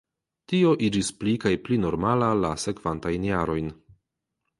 Tio iĝis pli kaj pli normala la sekvantajn jarojn.